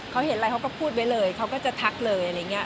เขาเห็นอะไรเขาก็พูดไว้เลยเขาก็จะทักเลยอะไรอย่างนี้